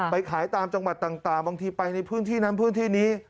ไปขายตามจังหวัดต่างบางทีไปในพื้นที่นั้นพื้นที่นี้